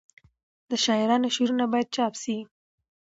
د شاعرانو شعرونه باید چاپ سي.